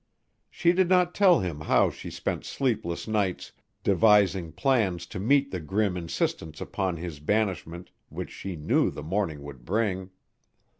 She did not tell him how she spent sleepless nights devising plans to meet the grim insistence upon his banishment which she knew the morning would bring.